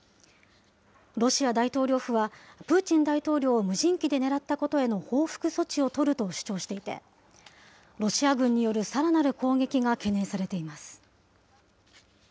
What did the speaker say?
ロシア大統領府は、プーチン大統領を無人機で狙ったことへの報復措置を取ると主張していて、ロシア軍によるさらなる攻撃が懸念されています。